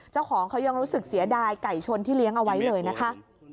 เจ้าของเขายังรู้สึกเสียดายไก่ชนที่เลี้ยงเอาไว้เลยนะคะ